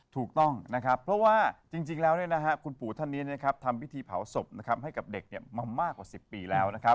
ถูกต้องนะครับเพราะว่าจริงแล้วคุณปู่ท่านนี้ทำพิธีเผาศพนะครับให้กับเด็กมามากกว่า๑๐ปีแล้วนะครับ